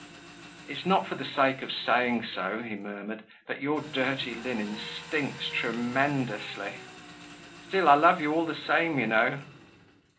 "It's not for the sake of saying so," he murmured; "but your dirty linen stinks tremendously! Still, I love you all the same, you know."